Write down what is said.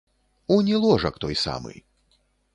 Унь і ложак той самы.